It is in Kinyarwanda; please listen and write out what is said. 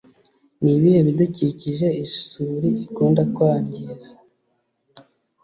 ni ibihe bidukikije isuri ikunda kwangiza?